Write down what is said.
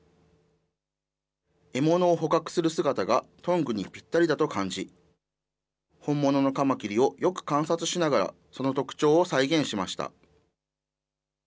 獲物を捕獲する姿がトングにぴったりだと感じ、本物のカマキリをよく観察しながら、その特徴を再現しました。